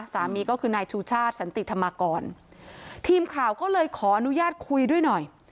สามีก็คือนายชูชาติสันติธรรมกรทีมข่าวก็เลยขออนุญาตคุยด้วยหน่อย